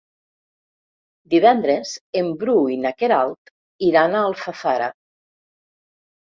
Divendres en Bru i na Queralt iran a Alfafara.